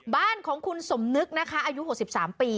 บ้านของคุณสมนึกนะคะอายุหกสิบสามปี